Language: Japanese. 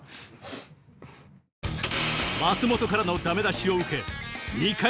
松本からのダメ出しを受け